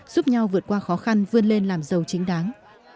giúp nhau vượt qua khó khăn vươn lên làm giàu chính đáng